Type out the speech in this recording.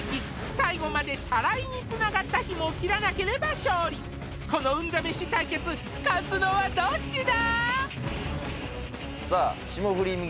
最後までタライにつながった紐を切らなければ勝利この運試し対決勝つのはどっちだ？